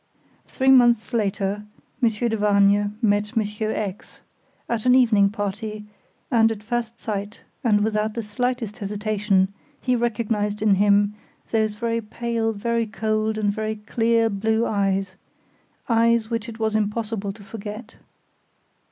Three months later, Monsieur de Vargnes met Monsieur X at an evening party, and at first sight, and without the slightest hesitation, he recognized in him those very pale, very cold, and very clear blue eyes, eyes which it was impossible to forget.